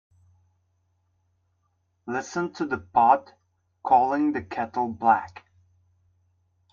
Listen to the pot calling the kettle black.